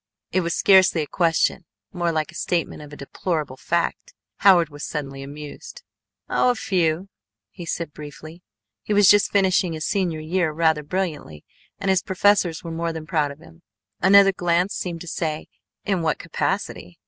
It was scarcely a question, more like a statement of a deplorable fact. Howard was suddenly amused. "Oh, a few," he said briefly. (He was just finishing his senior year rather brilliantly and his professors were more than proud of him.) Another glance seemed to say: "In what capacity?"